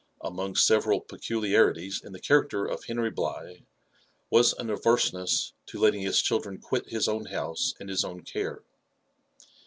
Among several peculiarities In the char^cterof Henry Bligh, was an ayerseness to letting his children quit his own house and his own care.